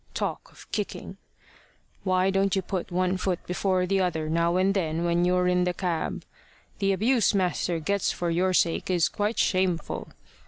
Talk of kicking! Why don't you put one foot before the other now and then when you're in the cab? The abuse master gets for your sake is quite shameful.